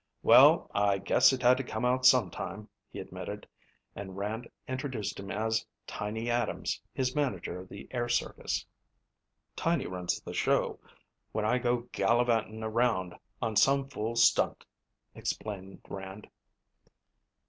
"Well, I guess it had to come out some time," he admitted and Rand introduced him as Tiny Adams, his manager of the air circus. "Tiny runs the show when I go gallivanting around on some fool stunt," explained Rand.